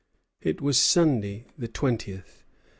It was Sunday, the twentieth.